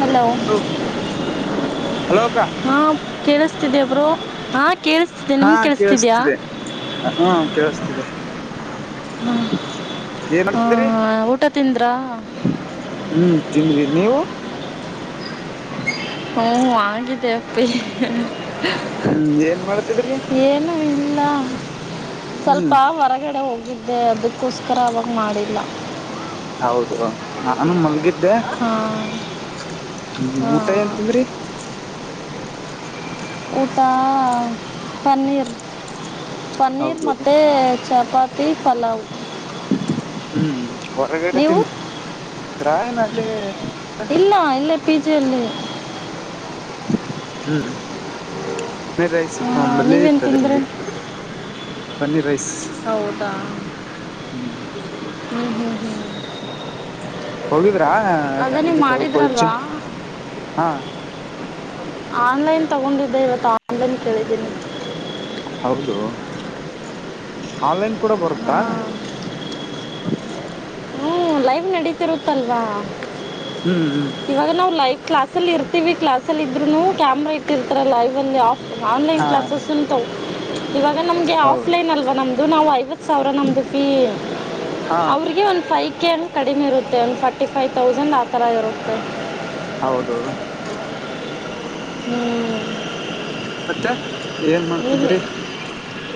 Hello hello ಅಕ್ಕ ಹಾ ಕೇಳಿಸ್ತಿ ಇದೀಯ ಬ್ರೋ ಹಾ ಕೇೇಳಸ್ತಿದ್ದೆ ಹಾ ನಿಮ್ ಕೇೇಳಸ್ತಿದ್ಯಾ ಕೇಳಿಸ್ತಿದೆ ಹಾ ಕೇಳಿಸ್ತಿದೆ ಹೂ ಏನ್ ಹೂ ಮಾಡ್ತಿದ್ರಿ ಊಟ ತಿಂದ್ರಾ ಹ್ಮ್ ತಿಂದ್ವಿ ನೀವು ಹ್ಮ ಆಗಿದೆ ಅಪ್ಪಿ ಹ್ಮ್ ಏನ್ ಮಾಡ್ತಿದ್ರಿ ಏನು ಇಲ್ಲ ಸ್ವಲ್ಪ ಹ್ಮ್ ಹೊರಗಡೆ ಹೋಗಿದ್ದೆ ಅದಕ್ಕೋಸ್ಕರ ಮಾಡಿಲ್ಲ ಹೌದು ನಾನು ಮಲಗಿದ್ದೆ ಹಾಂ ್ಮ ಊಟ ಹಾಂ ಎನ್ಂತನ್್ರಿ ಊಟ ಪನ್ನೀರ್ ಪನ್ನೀರ್ ಹೌದು ಮ ಚಪಾತಿ ಪಲಾವ್ ಹ್ಮ್ ಹೊರಗಡೆ ನೀವು ತಿಿಂದಾಯನ ಅಲ್ಲಿ ಇಲ್ಲ ಇಲ್ಲ ಪಿಜೆ ಅಲ್ಲಿ ಹ್ಮ್ ಪನರ್ ರೈಸ್ ಇತ್ತು ಅಂಬಲ್ಲಿ ನೀವೇನು ತಿಂದ್ರಿ ಇತ್ತುದಿ ಪನ್ನೀರ್ ರೈಸ್ ಹೌದಾ ಹ್ಮ್ ಹ್ಮ್ ಹ್ಮ್ ಹೋಗಿದ್ರಾ ಅದೇ ನೀವು ಇದು ಕೊಚನ್ ಮಾಡಿದ್ರಲ್ವಾ ಹಾ ಆನ್ಲೈನ್ ತಗೊಂಡಿದ್ದೆ ಇವತ್ತು ಆನ್ಲೈನ್ ಕೇಳಿದ್ದೀನಿ ಹೌದು ಆನ್ಲೈನ್ ಕೂಡ ಬರುತ್ತಾ ಹಾಂ ಹ್ಞೂ ಲೈವ್ ನಡೀತಿರುತ್ತಲ್ವಾ ಹ್ಮ್ ಹ್ಮ್ ಇವಾಗ ನಾವು ಲೈವ್ ಕ್ಲಾಸ್ ಇರ್ತೀವಿ ಕ್ಲಾಸ್ಲ್ಲಿ ಇದ್ರು ಕ್ಯಾಮ್ರಾ ಇಟ್ಟಿರ್ತಾರೆ ಲೈವ್ ಅಲ್ಲಿ ಆಫ್ ಆನ್ಲೈನ್ ಹಾ ಕ್ಲಾಸಸ್ ಉಂಟಾವ ಇವಾಗ ನಮಗೆ ಹೌದು ಆಫ್ಲೈನ್ ಅಲ್ವಾ ನಮ್ಮದು ನಾವು ಐವತ್ತು ಸಾವಿರ ನಮ್ಮದು ಫೀ ಹಾ ಅವ್ರಿಗೆ ಒಂದುಫೈ ಕೇಳ ಕಡಿಮೆ ಇರುತ್ತೆ ಒಂದು ಫಾರ್ಟಿ ಫೈ್ ತೌಸಂಡ್ ಆ ಥರ ಇರುತ್ತೆ ಹೌದು ಹ್ಮ್ ಮತ್ತೆ ಏನ್ ಮಾಡ್ತಿದಿರಿ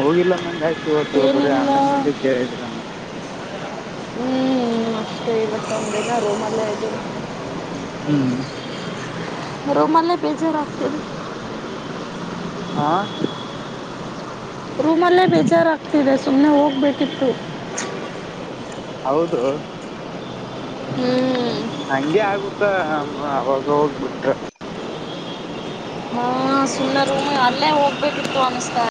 ಹೋಗಿಲ್ಲಂದಂಗ ಆಯ್ತು ಹೊತ್ತು ಒಬ್ಬರೇ ಏನಿಲ್ಲ ಆನ್ಲೈನ್ಲ್ಲಿ ಕೇಳಿದ್ರನ್ನ ಹ್ಮ್ ಮಷ್ಟೆ ಇವ ತಂದಿಲ್ಲ ರೂಮ್ಲ್ಲೇ ಆಗ ರೋಮಲ್ಲ ಬೇಜಾರಾಗತ ಹಾ ರೂಮ್ಲ್ಲೇ ಬೇಜಾರಾಗ್ತಿದೆ ಸುಮ್ನೆ ಹೋಗ್ಬೇಕಿತ್ತು ಹೌದು ಹ್ಮ್ ಹಗೆ ಆಗುತ್ತಾ ಹ ಆಾಗ ಹೋಗ್ ಬಿಿಟ್ರ ಹಾ ಸುಳ್ಳ ರ ಅಲ್ಲೇ ಹೋಗಬೇ ಬಿತ್ತುನತ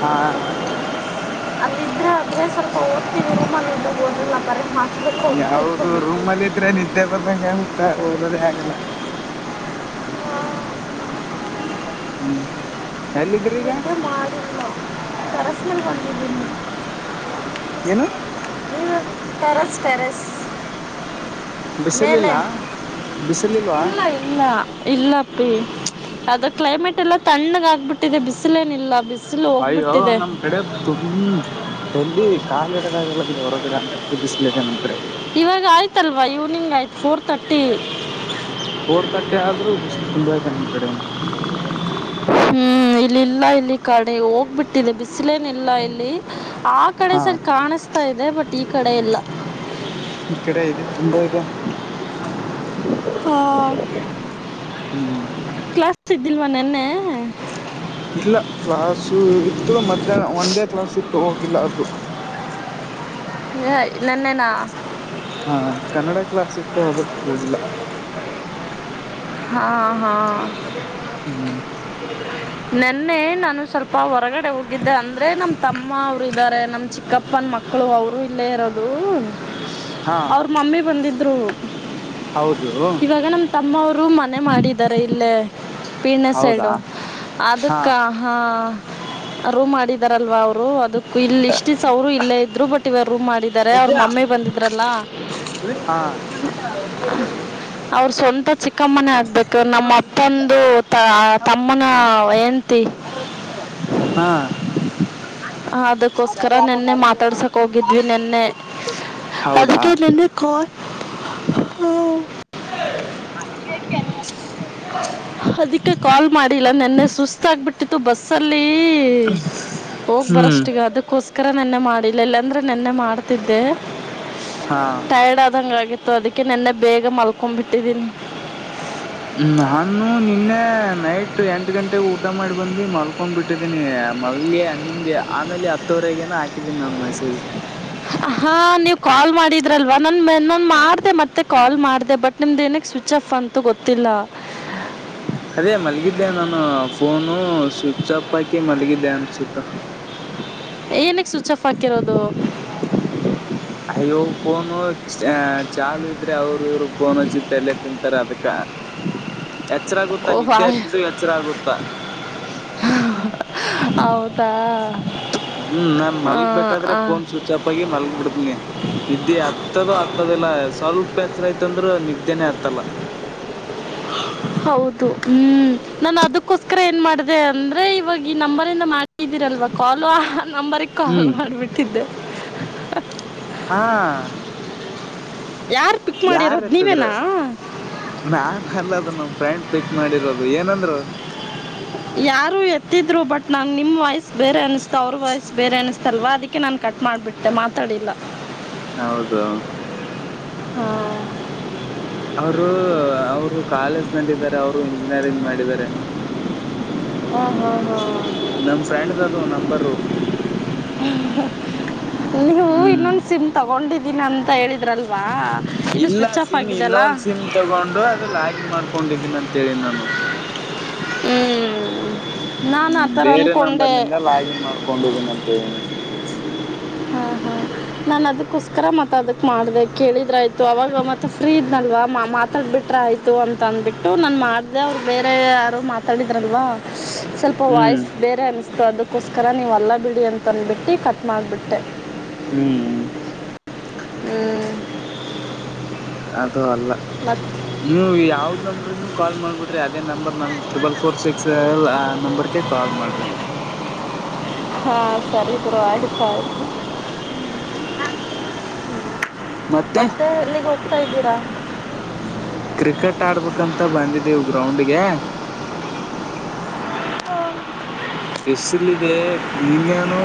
ಹಾ ಅದು ಇದ್ರೆ ಅದೇ ಸ್ವಲ್ಪ ಓದತಿ ರೋಮ ಹೋದಿಲ್ಲತಾರೆ ಯಾವದು ರೂಮ್ಲ್ಲಿ ಇದ್ರೆ ನಿದ್ದೆ ಬಂದಾಗ ಊತ ಓದದೇ ಆಗಲ್ಲ ಹ್ಮ ಹ್ಮ್ ಎಲ್ಲಿದ್ರಿ ಈಗ ಎದು ಮಾಡ ಕರಸಲ್ ಬಂದಿದ್ದೀನಿ ಏನು ನ್ಯೂಯಾರ್ಕ್ ಪ್ಯಾರಸ್ ಪ್ಯಾರಸ್ ಬಿಸಿಲಾ ಬಿಸಿಲಿಲ್ಲ ಇಲ್ಲಪ್ಪಿ ಅದ ಕ್ಲೈಮೇಟ್ ಎಲ್ಲ ತಣ್ಣಗ ಆಗ್ಬಿಟ್ಟಿದೆ ಬಿಸಿಲೇನಿಲ್ಲ ಬ ಅಯ್ಯೋ ನಮ್ ಕಡೆ ತುಮ ತಲ್ಲಿ ಕಾಲಿಡದಾಗಲ್ಲಾಗಿದೆ ಹೊರಗಡೆ ಅಂತದು ಬಿಸ್ಲ ಇಿದೆ ನಮ್ ಕಡೆ ಇವಾಗ ಆಯ್ತಲ್ವಾ ಈವ್ನಿಂಗ್ ಆಯ್ತು ಫೋರ್ ತರ್ಟಿ ಫೋರ್ ತರ್ಟಿ ಆದ್ರೂ ಬಿಸಿಲು ತುಂಬಾ ಐತೆ ನಮ್ ಕಡೆನ ಹ್ಮ್ ಇಲ್ಲಿ ಇಲ್ಲ ಇಲ್ಲಿ ಕಡೆ ಹೋಗ್ಬಿಟ್ಟಿದೆ ಬಿಸಿಲೇನ ಇಲ್ಲ ಇಲ್ಲಿ ಆ ಕಡೆ ಹಾ ಸರಿ ಕಾಣಿಸ್ತಾ ಇದೆ ಬಟ್ ಈ ಕಡೆ ಇಲ್ಲ ಈ ಕಡೆ ಇದೆ ತುಂಬಾ ಇದು ಹಾ. [unintelligible] ಹ್ಮ್, ಹ್ಮ್. [inaudible] ತಿಂದಿಲ್ವ ನಿನ್ನೆ? [inaudible] ಇಲ್ಲ, ಕ್ಲಾಸು, ಇತ್ತು ಮಧ್ಯಾಹ್ನ! ಒಂದೇ ಕ್ಲಾಸ್ ಇತ್ತು ಹೋಗಿಲ್ಲ ಅದು? [unintelligible] ಹೇ, ನೆನೇನ. [unintelligible] ಹಾ ಕನ್ನಡ ಕ್ಲಾಸ್ ಇತ್ತು ಅದಕ್ಕೂ ಹೋಗಿಲ್ಲ? [unintelligible] ಹಾ, ಹಾ. [unintelligible] ಹ್ಮ್ ನೆನ್ನೆ ನಾನು ಸ್ವಲ್ಪ ಹೊರಗಡೆ! ಹೋಗಿದ್ದೆ ಅಂದ್ರೆ ನಮ್ಮ ತಮ್ಮ ಅವರು ಇದ್ದಾರೆ? [unintelligible] ನಮ ಚಿಕ್ಕಪ್ಪನ ಮಕ್ಕಳು, ಅವರು ಇಲ್ಲೇ ಇರೋದು ಹಾ ಅವ್ರ ಮಮ್ಮಿ ಬಂದಿದ್ರು. [inaudible] ಹೌದು. [inaudible] ಇವಾಗ ನಮ್ ತಮ್ಮವರು ಮನೆ ಮಾಡಿದ್ದಾರೆ ಇಲ್ಲೇ ಪೀಣ್ಣೆ ಹೌದಾ ಸೈಡು. [unintelligible] ಹಾ ಅದಕ್ಕ ಹಾ. [unintelligible] ರೂಮ್ ಮಾಡಿದಾರಲ್ವಾ! ಅವ್ರು ಅದಕ್ಕ ಇಲ್ಲಿ ಇಷ್ಟು, ದಿಸ್ಸಾ, ಇಲ್ಲೇ ಇದ್ರು ಬಟ್. [unintelligible] ರೂಮ್ ಮಾಡಿದ್ದಾರೆ, ಅವ್ರ ಮಮ್ಮಿ ಬಂದಿದ್ರಲ್ಲ. ಹಾ [unintelligible] ಅವ್ರ, ಸ್ವಂತ. [unintelligible] ಚಿಕ್ಕಮ್ಮನ, ಆಗ್ಬೇಕು ನಮ್ಮ ಅಪ್ಪಂದು ತಮ್ಮನ ಹೆಂಡತಿ. [unintelligible] ಹಾ. [unintelligible] ಹ ಅದಕ್ಕೋಸ್ಕರ! ನೆನ್ನೆ ಮಾತಾಡ್ಸಕ್ ಹೋಗಿದ್ವಿ ನೆನ್ನೆ. [unintelligible] ಹೌದಾ ಅದಕ್ಕೆ ನ ಕಾರ್ ಹ. [unintelligible] ಅದಕ್ಕೆ, ಕೇಳಿದು. [unintelligible] ಅದಕ್ಕೆ, ಕಾಲ್ ಮಾಡಿಲ್ಲ! ನೆನ್ನೆ ಸುಸ್ತ ಆಗ್ಬಿಟ್ಟಿತ್ತು ಬಸ್ಲ್ಲಿ. [unintelligible] ಹ್ಮ್. [unintelligible] ಅಕ್ರ, ನೆನ್ನೆ ಮಾಡಿಲ್ಲ ಇಲ್ಲಾಂದ್ರೆ! ನೆನ್ನೆ ಮಾಡ್ತಿದ್ದೆ ಹಾ ಟೈರ್ಡ್ ಆದಂಗ ಆಗಿತ್ತು. [unintelligible] ಅದಕ್ಕೆ ನೆನ್ನೆ ಬೇಗ ಮಲ್ಕೊ, ಬಿಟ್ಟಿದೀನಿ. [unintelligible] ನಾನು, ನಿನ್ನೆ ನೈಟ್! ಎಂಟ ಗಂಟೆಗೆ ಊಟ ಮಾಡಿ ಬಂದಿ ಮಲ್ಕೊಂಡ್ ಬಿಟ್ಟಿದ್ದೀನಿ. [unintelligible] ನಾವುಮಾವಿಗೆ, ನಿಮ್ಗೆ ಆಮೇಲೆ ಹತ್ತವರೆಗೇನ ಹಾಕಿದ್ದೀನಿ ನಾನು ಮೆಸೇಜ್. [unintelligible] ಹಾ, ನೀವ್ ಕಾಲ್ ಮಾಡಿದ್ರಲ್ವಾ! ನನ್ ಮೋನೆ ನನ್, ಮಾಡಿದೆ, ಮತ್ತೆ ಕಾಲ್ ಮಾಡುದೆ, ಬಟ್ ನಿಮ್ದ. [unintelligible] ಸ್ವಿಚ್, ಆಫ್, ಬಂತು, ಗೊತ್ತಿಲ್ಲ. [unintelligible] [unintelligible] [inaudible] ಅದೇ, ಮಲಗಿದ್ದೆ ನಾನು ಫೋನು! ಸ್ವಿಚ್ ಅಪ್ ಹಾಕಿ, ಮಲಗಿದ್ದೆ ಅನಿಸುತ್ತೆ. [unintelligible] [unintelligible] [inaudible] ಏನುಕೈ, ಸ್ವಿಚ್ ಆಫ್ ಹಾಕಿರೋದು! [unintelligible] ಅಯ್ಯೋ, ಫೋನು, ಅಹ ಚಾಲು ಇದ್ರೆ ಅವರು ಇವರು, ಫೋನ್ಅಚಿ, ತಲೆತೀನುತ್ತಾರೆ, ಅದಕ್ಕ. [unintelligible] ಎಚ್ಚರ, ಆಗುತ್ತಾ! ಓ ನಿದ್ದೆ, ಹಾಯ್ ಹತ್ತಿದರು ಎಚ್ಚರ ಆಗುತ್ತಾ. [unintelligible] ಹೌದಾ? [unintelligible] ಹ್ಮ್, ನಾನ್ ಹಾಂ ಮಲ್ಗ್ಬೇಕೇಕಾದ್ರೆ! ಹಾಂ ಫೋನ್ ಸ್ವಿಚ್ ಆಫ ಆಗಿ ಮಲ್ಗ್ ಬಿಡ್ತನಿ. [unintelligible] ನಿದ್ದೆ, ಹತ್ತದು ಹತ್ತದಲ್ಲ! ಸ್ವಲ್ಪ ಎಚ್ಚರ ಆಯತಂದ್ರರು, ನಿದ್ದೆನೆೇ ಆತ್ತಲ್ಲ? [unintelligible] [unintelligible] [inaudible] ಹೌದು, ಹ್ಮ್ ನಾನು ಅದಕ್ಕೋಸ್ಕರ ಏನ್ ಮಾಡಿದೆ, ಅಂದ್ರೆ ಇವಾಗ ಈ ನಂಬರಿಂದ ಮಾಡ. [unintelligible] ಇದ್ದೀರಲ್ವಾ, ಕಾಲು, ಆ ನಂಬರ್ಗ್ ಕಾಲ್ ಹ್ಮ್ ಮಾಡ್ಬಿಟ್ಟಿದ್ದೆ! [unintelligible] ಹಾ. [unintelligible] ಯಾರು ಪಿಕ್ ಮಾಡಿರೋದು ಯಾರಎಂತಾದರೂ, ನೀವೇನಾ ನಾನು, ಅಲ್ಲದ ನಮ್ ಫ್ರೆಂಡ್, ಪಿಕ್ಕು. [unintelligible] ಮಾಡಿರೋದು ಏನಂದ್ರು ಯಾರು ಎತ್ತಿದ್ರು ಬಟ್! ನನ್ ನಿಮ್ಮ್ ವಾಯ್ಸ್ ಬೇರೆ ಅನಿಸ್ತ? ಅವ್ರ ವಾಯ್ಸ್ ಬೇರೆ ಅನಿಸತಲ್ವಾ! ಅದಕ್ಕೆ ನಾನನ್ ಕಟ್ ಮಾಡ. [unintelligible] ಮಾಡ್ಬಿಟ್ಟೆ, ಮಾತಾಡಿಲ್ಲ. [unintelligible] ಹೌದು. [inaudible] ಹಾ. [unintelligible] ಅವರು, ಅವರು, ಕಾಲೇಜ್ ನಲ್ಲಿದ್ದಾರೆ! ಅವರು ಇಂಜಿನಿಯರಿಂಗ್, ಮಾಡಿದ್ದಾರೆ. [unintelligible] ಹಾ, ಹಾ, ಹಾ. [unintelligible] ನಮ, ಫ್ರೆಂಡ್ದು, ಅದು ನಂಬರು. [unintelligible] ನೀವು, ಹ್ಮ್ ಇನ್ನೊಂದು, ಸಿಮ್ ತಗೊಂಡಿದ್ದೀನಿ! ಅಂತ ಹೇಳಿದು. [unintelligible] ಇಲ್ಲ ಸಿಮ್ ಆಗಿದೆಯಲ್ಲ ಇನ್ನೊಂದು ಸಿಮ್ ತಗೊಂಡು ಅದು ಲಾಗಿನ್ ಮಾಡ್ಕೊಂಡಿದ್ವಿ ಅಂತೇಳಿ ನಾನುಅಂತ ಹ್ಞೂ ನಾನು ಹ್ಮ್ ಆ ಥರ ಬೇರೆ ಅಂದ್ಕೊಂಡೆ ನಂಬರ್ನಿಂದ ಲಾಗಿನ್ ಮಾಡ್ಕೊಂಡಿದ್ದೀನ ಅಂತ ಹೇಳಿ ಹಾ ಹ್ಮ ನಾನ್ ಅದಕ್ಕೋಸ್ಕರ ಮತ್ ಅದಕ್ ಮಾಡ್ದ ಕೇಳಿದ್ರೆ ಆಯ್ತು ಅವಾಗ ಮತ್ತೆ ಫ್ರೀ ಇದ್ನಲ್ವ ಮಾ ಮಾತಾಡ್ಬಿಟ್ರೆ ಆಯ್ತು ಅಂತ ಅಂದ್ಬಿಟ್ಟು ನಾನು ಮಾಡ್ದ ಅವ್ರು ಬೇರೆ ಯಾರು ಮಾತಾಡಿದ್ರಲ್ವಾ ಸ್ವಲ್ಪ ಹ್ಮ್ ವಾಯ್ಸ್ ಬೇರೆ ಅನ್ನಿಸ್ತು ಅದಕ್ಕೋಸ್ಕರ ನೀವು ಅಲ್ಲ ಬಿಡಿ ಅಂತಂದ್ಬಿಟ್ಟು ಕಟ್ ಮಾಡಿಬಿಟ್ಟೆ ಹ್ಮ್ ಹ್ಮ ಅದು ಅಲ್ಲ ನೀವು ಯಾವ್ದ್ ನಂಬರ್ ಕಾಲ್ ಮಾಡ್ಬಿಡ್ರಿ ಅದೇ ನಂಬರ್ ನಮ ತ್ರಿಬಲ್ ಫೋರ್ ಸಿಕ್ಸ್ ಆ ನಂಬರ್ ಕ ಕಾಲ್ ಮಾಡ್ರಿ ಹಾ ಸರಿಬ್ರೋ ಆಯ್ತು ಆಯ್ತು ಹ್ಮ್ ಮತ್ತೆ ಇದ್ದೀರಾ ಕ್ರಿಕೆಟ್ ಆಡ್ಬೇಕಂತ ಬಂದಿದ್ದೀವು ಗ್ರೌಂಡ್ಗೆ ಬಿಸಿಲದೆ ನಿನ್ನೆನೂ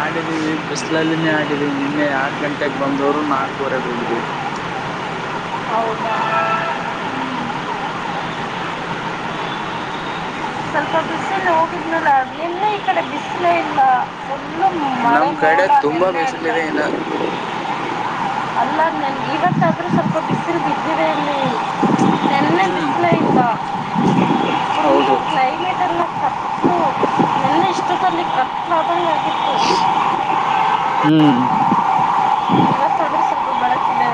ಆಡಿದೀವಿ ಬಿಸಿಲಲ್ಲಿನೇ ಆಡಿದೀವಿ ನಿನ್ನೆ ಎರಡು ಗಂಟೆೆಗೆ ಬಂದವರು ನಾಲ್ಕುವರೆಗೆ ಹೋಗಿದ್ದೀವಿ ಹೌದಾ ಹ್ಮ್ ಸ್ವಲ್ಪ ಬಿಸಿಲು ಹೋಗಿದ್ಮೇಲೆ ನಿನ್ನೆ ಈ ಕಡೆ ಬಿಸಲೆ ಇಲ್ಲ ಫುಲ್ ಮಳೆ ನಮ್ ಕಡೆ ಮೋಡ ತುಂಬಾ ನೆನ್ನೆಯಿಂದ ಬಿಸಿಲಿದೆ ಇನ್ನ ನನಗೆ ಇವತ್ತಾದರೂ ಸ್ವಲ್ಪ ಬಿಸಿಲು ಬಿದ್ದಿದೆ ಅಲ್ಲೇ ಹ್ಮ್ ಫುಲ್ಲು ಹೌದು ಕ್ಲೈಮೇಟ್ ಎಲ್ಲ ಇಲ್ಲಿ ಕಷ್ಟ ಆಗಿತ್ತು ಹ್ಮ್ ಇವತ್ತಾದ್ರೂ ಸ್ವಲ್ಪ ಬೆಳಕಿದೆ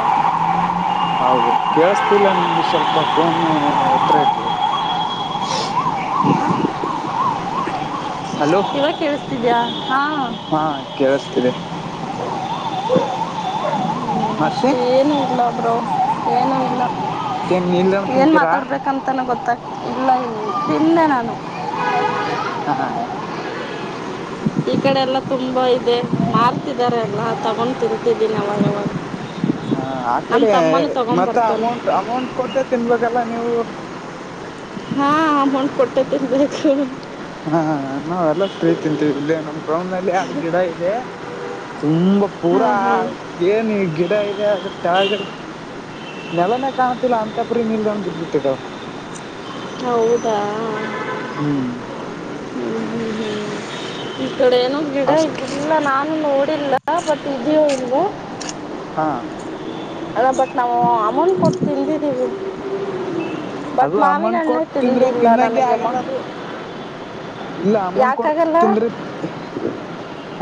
[inaudible] ಹೌದು ಕೇಳಸ್ತಿಲ್ಲ ನಿಮ್ದು ಸ್ವಲ್ಪ ಫೋನು ಹತ್ರ ಇಟ್ಟಿಕೊ [inaudible] ಹಲೋ ಇವಾಗ ಕೇಳಿಸ್ತಿದ್ಯಾ ಹಾಂ ಹಾ ಕೇಳಿಸ್ತಿದ್ದೆ [inaudible] ಮತ್ತೆ ಅಷ್ಟೇ ಏನೂ ಇಲ್ಲ ಬ್ರೋ ಏನುೂ ಇಲ್ಲ ಏನ್ ನಿಲ್ದಣ ಏನು ತಿಂತೀರಾ ಮಾತಾಡ್ಬೇಕಂತನ ಗೊತ್ತಾಗತಿಲ್ಲ ಇಲ್ಲ ಇಲ್ಲ ತಿಂದೆ ನಾನು ಹಾ ಈ ಕಡೆ ಎಲ್ಲಾ ತುಂಬಾ ಇದೆ ಮಾರ್ತಿದಿದ್ದಾರೆ ಎಲ್ಲ ತಗೊಂಡ ತಿರ್ತಿದ್ದೀನಿ ಅವಾಗವಾಗ ಹಾ ಆ ಕಡೆ ಮತ್ತ ತೊಗೊಂಬರ್ತಾನೆ ಅಮೌಂಟ್ ಅಮೌಂಟ್ ಕೊಟ್ಟೆ ತಿನ್ನಬೇಕಲ್ಲ ನೀವು ಹಾಂ ಅಮೌಂಟ್ ಕೊಟ್ಟೆ ತಿನ್ನಬೇಕು ಹಾ ನಾವೆಲ್ಲ ಫ್ರೀ ತಿಂತೀವಿ ಇಲ್ಲ ನಮ್ ಗ್ರೌಂಡ್ ನಲ್ಲಿ ಅದ್ ಗಿಡ ಇದೆ ತುಂಬಾ ಪೂರಾ ಹಾಂ ಹಾಂ ಏನು ಗಿಡ ಇದೆ ಅದ್ರ ಕೆಳಗಡೆ ನೆಲನೇ ಕಾಣತಿಲ್ಲ ಅಂತಪುರಿ ನಿಲ್ದಣ ಬಿದ್ಬಿಟ್ಟಿದ್ದಾವ ಹೌದಾ ಹ್ಮ್ ಹ್ಮ್ ಹ್ಮ್ ಈ ಕಡೆ ಏನ ಗಿಡ ಅಷ್ಟ್ ಇದಿಲ್ಲ ನಾನು ನೋಡಿಲ್ಲ ಬಟ್ ಇದಿಯಾ ಹ ಹಾ ಅದ ಬಟ್ ನಾವು ಅಮೌಂಟ್ ಕೊಟ್ಟು ತತಿಂಬಿಟ್ಟಿದ್ವಿ ಅಲ್ಲ ಅಮೌಂಟ್ ಕೊಟ್ಟು ತಿಂದ್ರೆ ತಿಂದಿಲ್ಲ ತಿನ್ನಂಗೆ ನನಗಮ್ಮ ಆಗಲ್ಲ ಅದು ಇಲ್ಲ ಅಮೌಂಟ್ ಕೊಡ್ತ ಯಾಕಾಗಲ್ಲ ತಿಂದ್ರೆ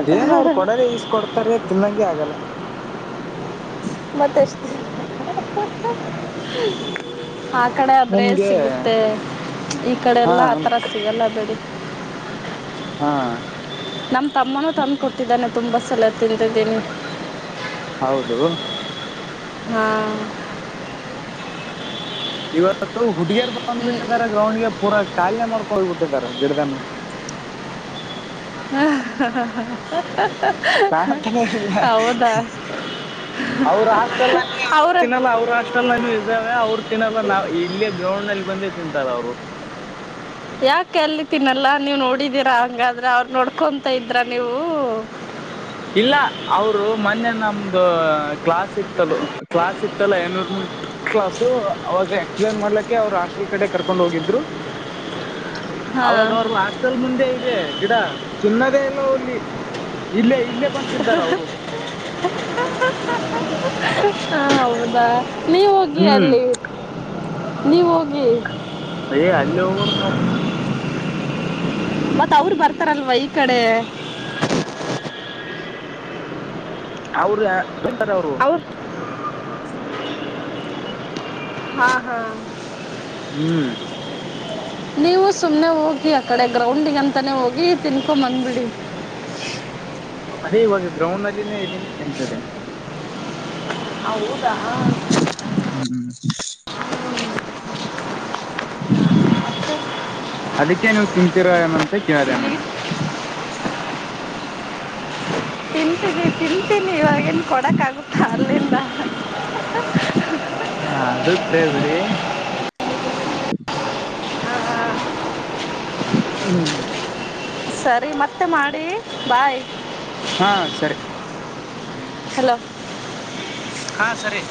ಅದೇನೋ ಅವ್ರು ಕೊಡರೆ ಈಸ್ಕ ಕೊಡ್ತಾರ ತಿನ್ನಂಗೆ ಆಗಲ್ಲ ಮತ್ತೆಷ್ಟ ಆ ಕಡೆ ಆದ್ರೆ ನಮ್ಗೆ ಸಿಗುತ್ತೆ ಈ ಹಾ ಕಡೆೆಲ್ಲ ನಮ ಆತರ ಸಿಗಲ್ಲ ಬಿೇಡ ಹಾ ನಮ ತಮ್ಮನೂ ತಂದ್ ಕೊಟ್ಟಿದ್ದಾನೆ ತುಂಬಾ ಸಲ ತಿಂತಿದ್ದೀನಿ ಹೌದು ಹ್ಮ ಇವತ್ತು ಹುಡ್ಗಿಯರ್ ಬಂದ್ ಹ್ಞೂ ಬಿಿಟ್ಟದಾರ ಗ್ರೌಂಡ್ ಗೆ ಪೂರಾ ಕಾಲನೆ ಮಾಡ್ಕೊಗಬಿಟ್ಟಿದಾರ ಗಿಡ್ದನು ಕಾಣ್ತಾನೆ ಇಲ್ಲ ಹೌದಾ ಅವ್ರ ಹಾಸ್ಟೆಲ್ ಅಲ್ಲಿ ಅವರು ಅವ್ರ ತಿನ್ನಲ್ಲ ಅವ್ರ ಹಾಸ್ಟೆಲ್ ನಾನು ಇದ್ದೇವ ಅವ್ರರು ತಿನ್ನಲ್ಲ ನಾವವು ಇಲ್ಲೇ ಗ್ರೌಂಡ್ ಅಲ್ಲಿ ಬಂದೇ ತಿಂತಾರ ಅವರು ಯಾಕೆ ಅಲ್ ತಿನಲ್ಲಾ ನೀವು್ ನೋಡಿದೀರಾ ಹಂಗಾದ್ರೆ ಅವ್ರು ನೋಡ್ಕೊಂತ ಇದ್ರ ನೀವು ಇಲ್ಲ ಅವರು ಮೊನ್ನೆ ನಮ್ದ ಕ್ಲಾಸ್ ಇತ್ತಲು ಕ್ಲಾಸ್ ಇತ್ತಲ್ಲ ಏನೂರ್ಮಂಟ್ ಕ್ಲಾಸು ಅವಾಗ ಎಕ್ಸ್ನ್ ಮಾಡ್ಲಕ್ಕೆ ಅವ್ರು ಹಾಸ್ಟೆಲ್ ಕಡೆ ಕರ್ಕೊಂಡ್ ಹೋಗಿದ್ರು ಹಾ ಅವಾಗ ಅವರು ಹಾಸ್ಟೆಲ್ ಮುಂದೆ ಇದೆ ಗಿಡ ತಿನ್ನದೇ ಇಲ್ಲ ಅವಲ್ಲಿ ಇಲ್ಲ ಇಲ್ಲೇ ಬಂದ ತಂತಾರ ಅವರು ಹಾ ಹೌದಾ ನೀವ ಹೋಗಿ ಹ್ಮ್ ಅಲ್ಲಿ ನೀವ ಹೋಗಿ ಅಯೇ ಅಲ್ಲ ಡ ನ ಮತ್ತತ್ ಅವರು ಬರ್ತಾರಲ್ವ ಈ ಕಡೆ ಅವರು ಎಂತಾರೆ ಅವರು ಅವ್ರ ಹಾ ಹಾ ಹ್ಮ್ ನೀವು ಸುಮ್ನೆ ಹೋಗಿ ಆ ಕಡೆ ಗ್ರೌಂಡಗ ಅಂತಾನೇ ಹೋಗಿ ತಿನ್ಕೊ ಬಂದ್ಬಿಡಿ ಅದೇ ಇವಾಗ ಗ್ರೌಂಡ್ ಅಲ್ಲಿನೇ ಇದ್ದೀನಿ ತಿಂತಿದ್ದೀನಿ ಹೌದಾ ಹ್ಮ್ ಅದಕ್ಕೆ ನೀವು ತಿಂತೀರೋ ಏನಂತ ಕೇಳ್ದೇ ಇಲ್ಲಿ ನನ್ [unintelligible] ಇವಾಗೇನ್ ಕೊಡಕ್ಗುತ್ತ ಅಲ್ಲಿಂದ ಹಾ ಅದು ಕ ಬಿಡಿ ಹ್ಮ್ ಸರಿ ಮತ್ತೆ ಮಾಡಿ ಬಾಯ್ ಹಾ ಸರಿ ಹಲೋ ಹಾ ಸರಿ